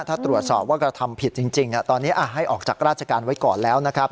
ถ้าตรวจสอบว่ากระทำผิดจริงตอนนี้ให้ออกจากราชการไว้ก่อนแล้วนะครับ